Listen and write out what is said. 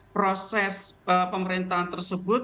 proses pemerintahan tersebut